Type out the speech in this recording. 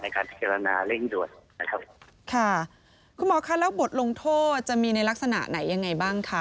คุณหมอคะแล้วบทลงโทษจะมีในลักษณะไหนยังไงบ้างคะ